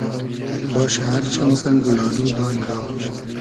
باشۂ ار چئن سئنگ و لاۮو دانی را